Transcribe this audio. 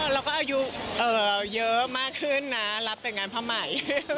เราก็อายุเยอะมากขึ้นนะรับแต่งงานพ่อใหม่